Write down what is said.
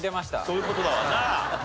そういう事だわな。